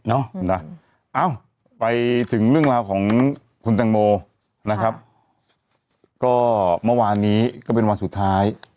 นะเอ้าไปถึงเรื่องราวของคุณแตงโมนะครับก็เมื่อวานนี้ก็เป็นวันสุดท้าย